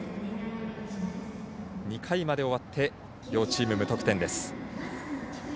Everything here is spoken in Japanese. ２回まで終わって両チーム無得点です。